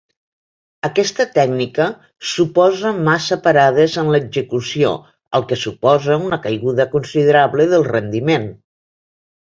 Aquesta tècnica suposa massa parades en l'execució, el que suposa una caiguda considerable del rendiment.